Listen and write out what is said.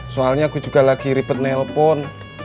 soalnya aku juga lagi ribet nelpon